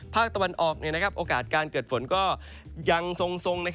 ภาคตะวันออกโอกาสการเกิดฝนก็ยังทรง